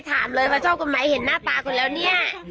ถามเลยว่าชอบคุณไหมเห็นหน้าตาคุณแล้วเนี่ย